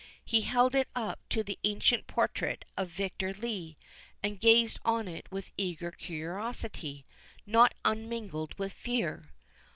He held it up to the ancient portrait of Victor Lee, and gazed on it with eager curiosity, not unmingled with fear.